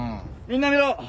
みんな見ろ。